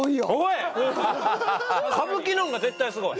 歌舞伎の方が絶対すごい。